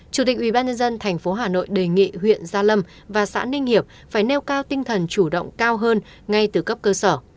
chủ tịch ubnd tp hà nội đề nghị huyện gia lâm và xã ninh hiệp phải nêu cao tinh thần chủ động cao hơn ngay từ cấp cơ sở